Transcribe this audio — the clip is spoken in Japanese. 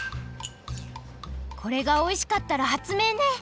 これがおいしかったらはつめいね！